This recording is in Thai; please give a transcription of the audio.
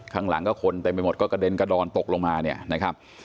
ข้างหลังก็คนเต็มไปหมดก็กระเด็นกระดอนตกลงมาเนี่ยนะครับ